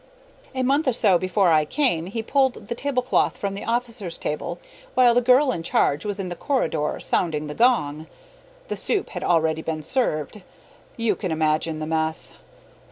A month or so before I came he pulled the tablecloth from the officers' table while the girl in charge was in the corridor sounding the gong. The soup had already been served. You can imagine the mess!